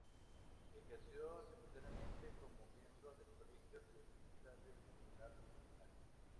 Ejerció simultáneamente como miembro del Colegio de Fiscales del Tribunal Revolucionario.